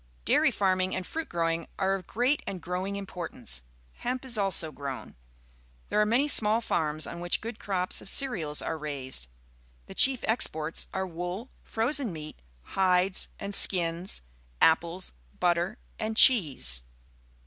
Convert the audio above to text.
Daiixd[arming and fruit growing are of great and growing importance. Hernp is also grown. There are many small farms, on which good cr ops of cere als are raised. The chief^jxports are wool, frozen meat, hides and skins, apples, butter, and cheese.